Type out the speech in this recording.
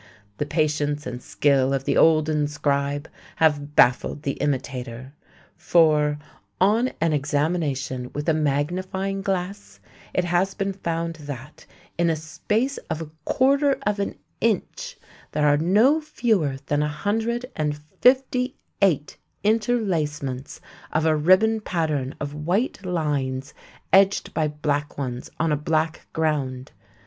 The patience and skill of the olden scribe have baffled the imitator; for, on an examination with a magnifying glass, it has been found that, in a space of a quarter of an inch, there are no fewer than a hundred and fifty eight interlacements of a ribbon pattern of white lines edged by black ones on a black ground.